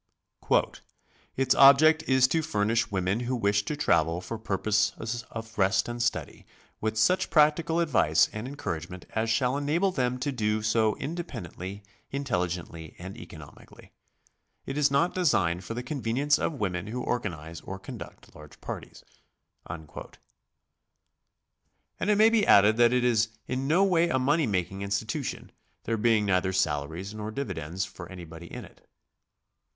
"Its object is to furnish women who wish to travel for purposes of rest and study, with such practical advice and encouragement as shall enable them to do so independ ently, intelligently, and economically. It is not designed for the convenience of women who organize or condutt large parties." And it may be added that it i s in no way a money ^making institution, there being neither salaries nor dividends for anybody in it.